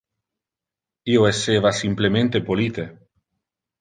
Io esseva simplemente polite.